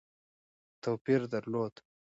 توپیر درلود.